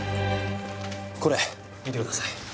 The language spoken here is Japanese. これ見てください。